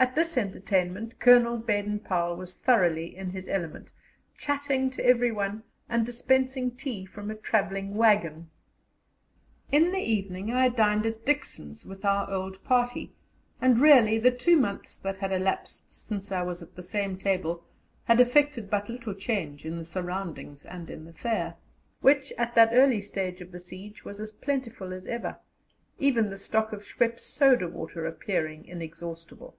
At this entertainment Colonel Baden Powell was thoroughly in his element, chatting to everyone and dispensing tea from a travelling waggon. In the evening I dined at Dixon's with our old party, and, really, the two months that had elapsed since I was at that same table had effected but little change in the surroundings and in the fare, which at that early stage of the siege was as plentiful as ever, even the stock of Schweppes' soda water appearing inexhaustible.